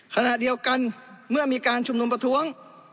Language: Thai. ขณะเดียวกันเมื่อมีการชุมนุมประท้วง